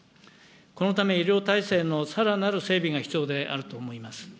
このため、医療体制のさらなる整備が必要であると思います。